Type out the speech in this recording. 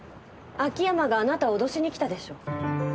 秋山があなたを脅しに来たでしょ。